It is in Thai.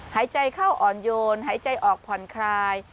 หายใจเข้าอ่อนโยนหายใจออกผ่อนคลาย